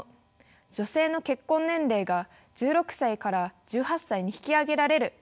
女性の結婚年齢が１６歳から１８歳に引き上げられる。